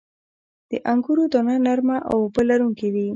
• د انګورو دانه نرمه او اوبه لرونکې وي.